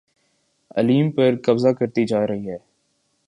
علیم پر قبضہ کرتی جا رہی ہے